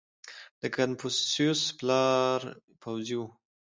• د کنفوسیوس پلار پوځي و.